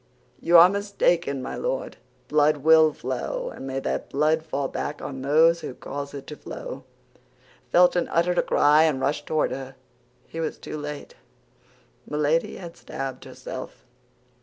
"You are mistaken, my Lord, blood will flow; and may that blood fall back on those who cause it to flow!" Felton uttered a cry, and rushed toward her. He was too late; Milady had stabbed herself.